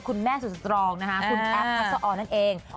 คุณแม่สุดสตรองนะคะคุณแอฟทักษะออนนั่นเอง